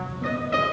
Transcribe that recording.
gak cukup pulsaanya